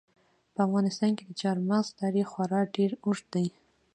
په افغانستان کې د چار مغز تاریخ خورا ډېر اوږد دی.